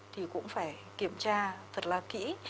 thì cũng phải kiểm tra thật là kỹ